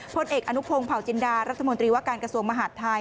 พลเอกอนุพงศ์เผาจินดารัฐมนตรีว่าการกระทรวงมหาดไทย